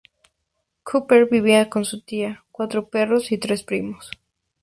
Cooper vivía con su tía, cuatro perros y tres primos